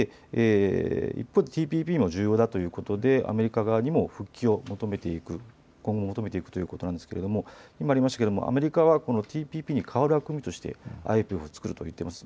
一方でＴＰＰ重要だということでアメリカ側にも復帰を求めていく、今後、求めていくということなんですがアメリカはこのＴＰＰに代わる枠組みとしてＩＰＥＦを作ると言っています。